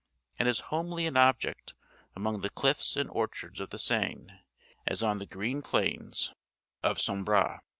and as homely an object among the cliffs and orchards of the Seine as on the green plains of Sambre?)